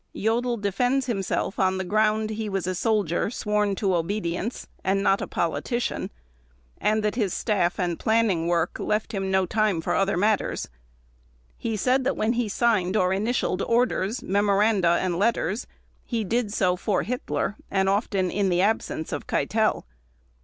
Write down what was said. Jodl defends himself on the ground he was a soldier sworn to obedience, and not a politician; and that his staff and planning work left him no time for other matters. He said that when he signed or initialed orders, memoranda, and letters, he did so for Hitler and often in the absence of Keitel.